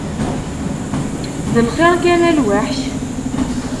D lxir kan a lwaḥc?